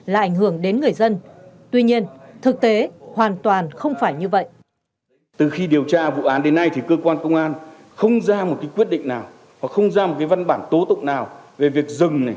là ảnh hưởng đến người dân tuy nhiên thực tế hoàn toàn không phải như vậy